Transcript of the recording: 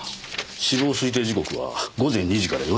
死亡推定時刻は午前２時から４時の間です。